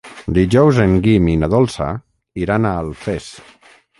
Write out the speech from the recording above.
Dijous en Guim i na Dolça iran a Alfés.